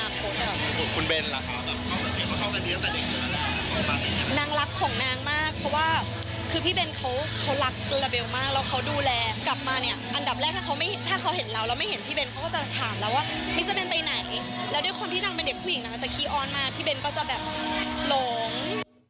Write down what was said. แล้วด้วยความที่นางเป็นเด็กผู้หญิงนางสักทีอ้อนมาพี่เบนก็จะแบบหลง